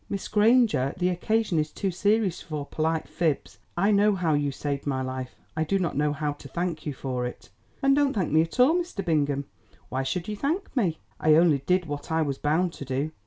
"Miss Granger, the occasion is too serious for polite fibs. I know how you saved my life. I do not know how to thank you for it." "Then don't thank me at all, Mr. Bingham. Why should you thank me? I only did what I was bound to do.